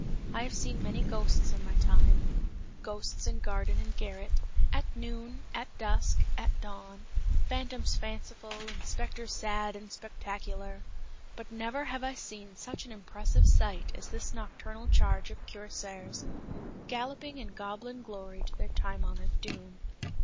I have seen many ghosts in my time ghosts in garden and garret, at noon, at dusk, at dawn, phantoms fanciful, and specters sad and spectacular but never have I seen such an impressive sight as this nocturnal charge of cuirassiers, galloping in goblin glory to their time honored doom.